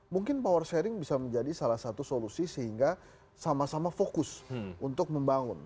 mungkin power sharing bisa menjadi salah satu solusi sehingga sama sama fokus untuk membangun